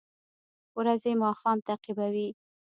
ورځې ماښام تعقیبوي